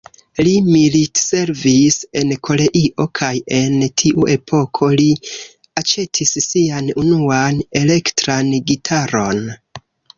Li militservis en Koreio, kaj en tiu epoko li aĉetis sian unuan elektran gitaron.